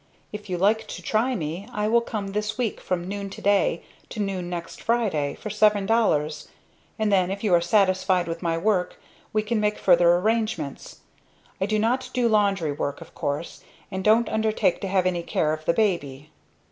If you like to try me I will come this week from noon to day to noon next Friday, for seven dollars, and then if you are satisfied with my work we can make further arrangements. I do not do laundry work, of course, and don't undertake to have any care of the baby."